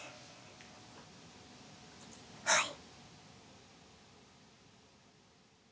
はい。